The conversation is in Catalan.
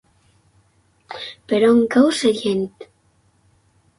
Per on cau Sellent?